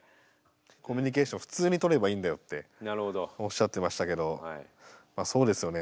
コミュニケーションを普通に取ればいいんだよっておっしゃってましたけどそうですよね